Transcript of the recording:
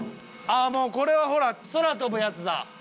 ああもうこれはほら空飛ぶやつだ。